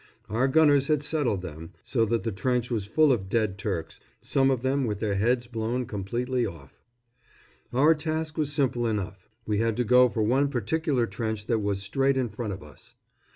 Our gunners had settled them, so that the trench was full of dead Turks, some of them with their heads blown completely off. Our task was simple enough. We had to go for one particular trench that was straight in front of us.